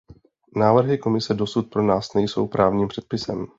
Návrhy Komise dosud pro nás nejsou právním předpisem.